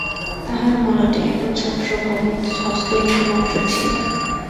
তাহার মলাটে একছত্র ভবৎ-হস্তলিপি মাত্র ছিল।